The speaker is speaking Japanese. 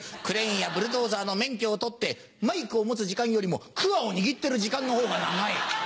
クレーンやブルドーザーの免許を取ってマイクを持つ時間よりもくわを握ってる時間のほうが長い。